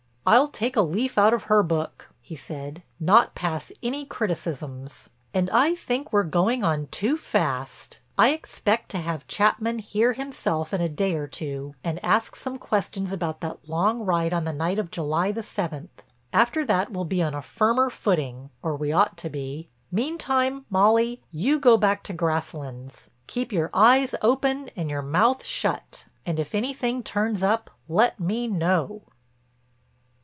"I'll take a leaf out of her book," he said, "not pass any criticisms. And I think we're going on too fast. I expect to have Chapman here himself in a day or two and ask some questions about that long ride on the night of July the seventh. After that we'll be on a firmer footing—or we ought to be. Meantime, Molly, you go back to Grasslands. Keep your eyes open and your mouth shut and if anything turns up let me know."